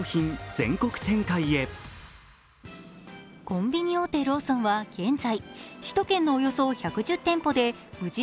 コンビニ大手ローソンは現在、首都圏のおよそ１１０店舗で無印